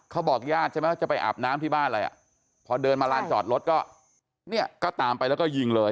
เขาบอกญาติใช่ไหมว่าจะไปอาบน้ำที่บ้านอะไรอ่ะพอเดินมาลานจอดรถก็เนี่ยก็ตามไปแล้วก็ยิงเลย